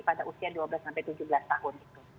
pada usia dua belas sampai tujuh belas tahun